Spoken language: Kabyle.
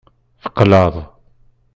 Tqelɛeḍ.